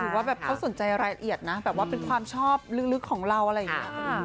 ถือว่าเขาสนใจรายละเอียดนะเป็นความชอบลึกของเราอะไรอยู่